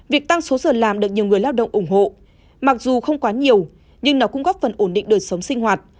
việc tăng số giờ làm được nhiều người lao động ủng hộ mặc dù không quá nhiều nhưng nó cũng góp phần ổn định đời sống sinh hoạt